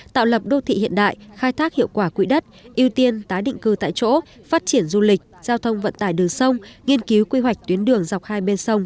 tạo lập đô thị hiện đại khai thác hiệu quả quỹ đất ưu tiên tái định cư tại chỗ phát triển du lịch giao thông vận tải đường sông